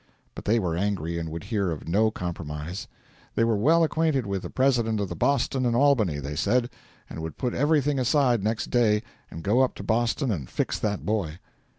But they were angry, and would hear of no compromise. They were well acquainted with the President of the Boston and Albany, they said, and would put everything aside next day and go up to Boston and fix that boy.